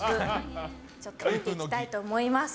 ちょっと見ていきたいと思います。